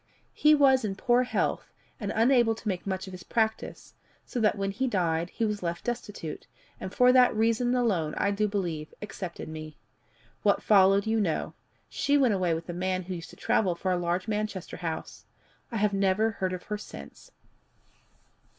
He was in poor health, and unable to make much of his practice, so that when he died she was left destitute, and for that reason alone, I do believe, accepted me. What followed you know: she went away with a man who used to travel for a large Manchester house. I have never heard of her since.